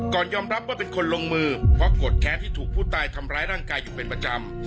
ยอมรับว่าเป็นคนลงมือเพราะโกรธแค้นที่ถูกผู้ตายทำร้ายร่างกายอยู่เป็นประจำ